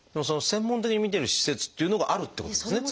専門的に診てる施設っていうのがあるってことですね